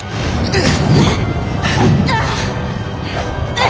うっ！